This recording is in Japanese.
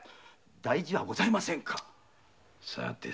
大事はございませんか。